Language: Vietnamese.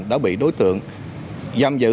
đã bị đối tượng giam giữ